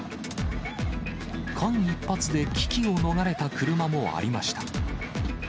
間一髪で危機を逃れた車もありました。